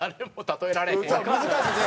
難しいね。